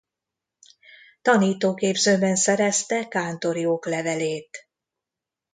Tanítóképzőben szerezte kántori oklevelét.